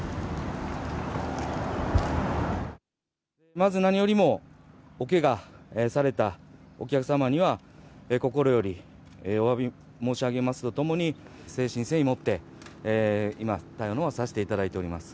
まず何よりも、おけがされたお客様には、心よりおわび申し上げますとともに、誠心誠意もって、今、対応のほうさせていただいております。